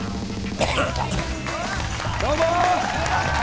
どうも！